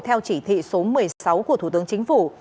theo chỉ thị số một mươi sáu của thủ tướng chính phủ